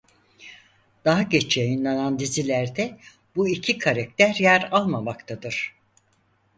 Daha geç yayınlanan dizilerde bu iki karakter yer almamaktadır.